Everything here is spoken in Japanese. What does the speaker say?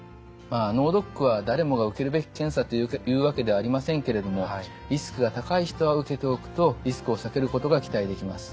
脳ドックは誰もが受けるべき検査というわけではありませんけれどもリスクが高い人は受けておくとリスクを避けることが期待できます。